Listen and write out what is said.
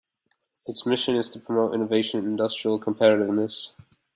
Its mission is to promote innovation and industrial competitiveness.